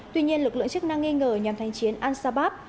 tuy nhiên lực lượng chức năng nghi ngờ nhằm thanh chiến al shabaab